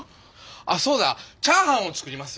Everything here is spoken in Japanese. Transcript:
あそうだ！チャーハンを作ります。